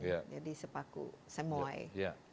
jadi sepaku semuai